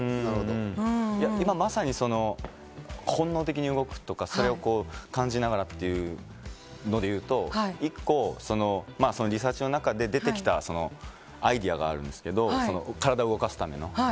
今まさに本能的に動くとか感じながらというので言うと一個リサーチの中で出てきたアイデアがあるんですけど、体を動かすための。